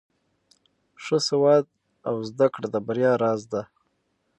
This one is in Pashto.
ښه سواد او زده کړه د بریا راز دی.